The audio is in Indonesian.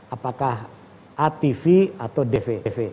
apakah a tv atau dv